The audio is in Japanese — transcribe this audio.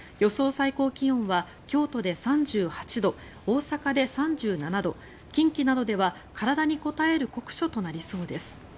最高気温は京都で３８度、大阪で３７度近畿などでは体にこたえる酷暑となりそうです。